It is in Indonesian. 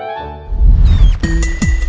gak ada yang nungguin